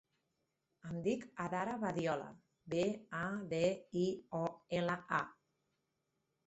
Em dic Adara Badiola: be, a, de, i, o, ela, a.